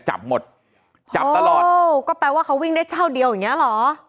จับหมดจับตลอดโอ้ก็แปลว่าเขาวิ่งได้เท่าเดียวอย่างเงี้เหรอ